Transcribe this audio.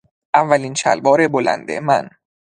اولین شلوار بلند من